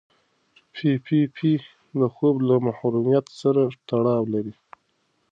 پي پي پي د خوب له محرومیت سره تړاو لري.